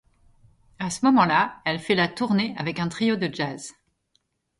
À ce moment-là, elle fait la tournée avec un trio de jazz.